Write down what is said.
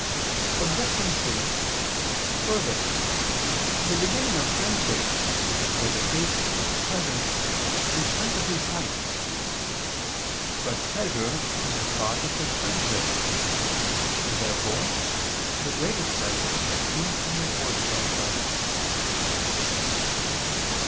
Obj. 3: Further, the beginning of friendship which is for the sake of the pleasant is principally sight. But pleasure is the cause of such friendship. Therefore the greatest pleasure seems to be afforded by sight.